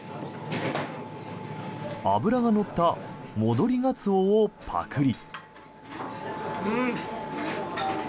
脂が乗った戻りガツオをパクリ。